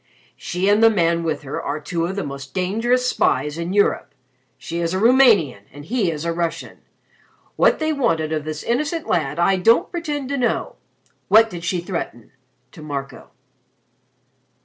"She and the man with her are two of the most dangerous spies in Europe. She is a Rumanian and he is a Russian. What they wanted of this innocent lad I don't pretend to know. What did she threaten?" to Marco.